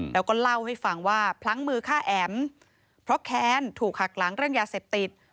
แล้วก็เล่าให้ฟังว่าพลั้งมือฆ่าแอ๋มเพราะแค้นถูกหักหลังเรื่องยาเสพติด